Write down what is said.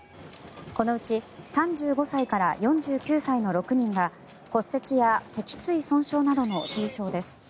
このうち３５歳から４９歳の６人が骨折や脊椎損傷などの重傷です。